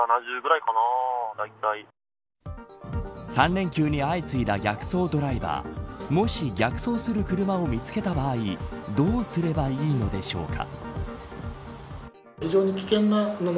３連休に相次いだ逆走ドライバーもし逆走する車を見つけた場合どうすればいいのでしょうか。